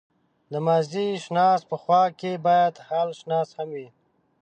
د ماضيشناس په خوا کې بايد حالشناس هم وي.